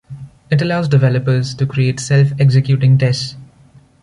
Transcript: It allows developers to create self-executing tests.